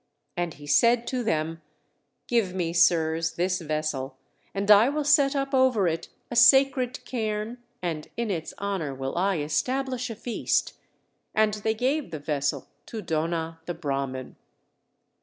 And he said to them: "Give me, sirs, this vessel, and I will set up over it a sacred cairn, and in its honor will I establish a feast." And they gave the vessel to Dona the Brahman.